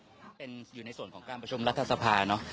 เวลาปกติของการประชุมสภาค